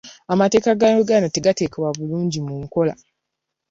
Amateeka ga Uganda tegateekebwa bulungi mu nkola.